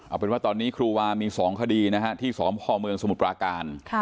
เอาเป็นว่าตอนนี้ครูวามี๒คดีนะฮะที่สพเมืองสมุทรปราการ